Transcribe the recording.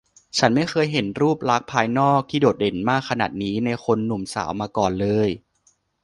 ฉันไม่เคยเห็นรูปลักษณ์ภายนอกที่โดดเด่นมากขนาดนี้ในคนหนุ่มสาวมาก่อนเลย